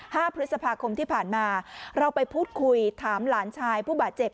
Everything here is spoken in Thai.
ห้าพฤษภาคมที่ผ่านมาเราไปพูดคุยถามหลานชายผู้บาดเจ็บ